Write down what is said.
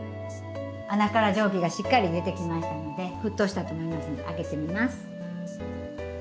穴から蒸気がしっかり出てきましたので沸騰したと思いますので開けてみます。